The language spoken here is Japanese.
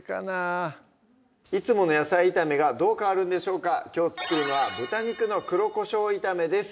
いつもの野菜炒めがどう変わるんでしょうかきょう作るのは「豚肉の黒コショウ炒め」です